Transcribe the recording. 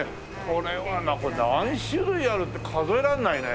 これは何種類あるって数えられないね。